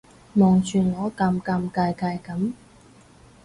望住我尷尷尬尬噉